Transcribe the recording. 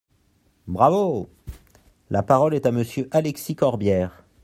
Bravo ! La parole est à Monsieur Alexis Corbière.